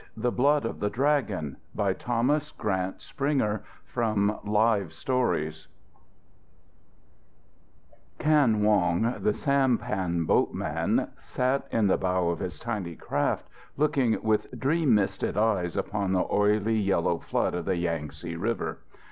THE BLOOD OF THE DRAGON BY THOMAS GRANT SPRINGER From Live Stories Kan Wong, the sampan boatman, sat in the bow of his tiny craft, looking with dream misted eyes upon the oily, yellow flood of the Yangtze River.